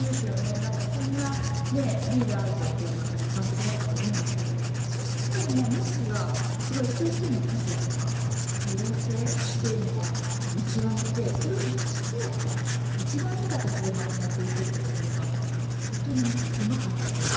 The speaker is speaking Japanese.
何かそんなねえリーダー像っていうのがやっぱり一般的だったと思うんですけどもそうした中でもミッシーはすごい一人一人の個性とか多様性っていうのを見極めてそれを生かして一番いい形でまとめていくっていうところが本当にうまかったという。